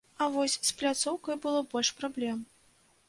А вось з пляцоўкай было больш праблем.